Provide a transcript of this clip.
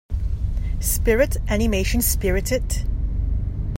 Spirit animation Spirited.